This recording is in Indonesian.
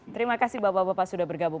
terima kasih bapak bapak sudah bergabung